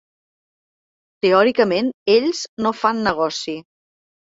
Teòricament ells no fan negoci.